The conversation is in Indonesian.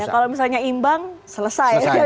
kalau misalnya imbang selesai